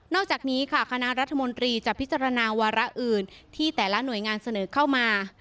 อกจากนี้ค่ะคณะรัฐมนตรีจะพิจารณาวาระอื่นที่แต่ละหน่วยงานเสนอเข้ามา